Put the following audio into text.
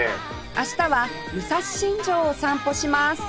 明日は武蔵新城を散歩します